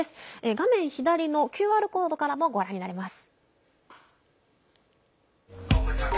画面左のＱＲコードからもご覧になれます。